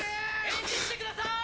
返事してください。